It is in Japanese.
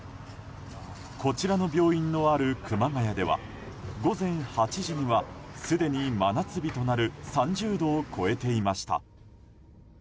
こちらの病院のある熊谷では午前８時にはすでに真夏日となる３０度を超えていました。